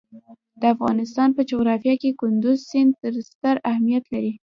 د افغانستان په جغرافیه کې کندز سیند ستر اهمیت لري.